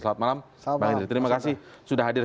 selamat malam pak hendry terima kasih sudah hadir